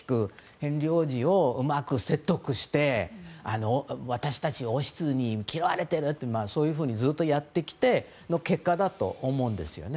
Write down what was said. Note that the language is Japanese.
ヘンリー王子をうまく説得して私たち王室に嫌われてるってそういうふうにずっとやってきた結果だと思うんですね。